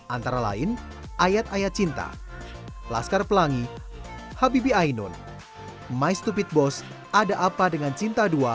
antara lain ayat ayat cinta laskar pelangi habibi ainun my stupid boss ada apa dengan cinta dua